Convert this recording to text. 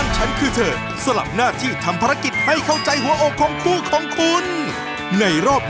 แล้วตอนนี้ก็ถึงที่ของสาว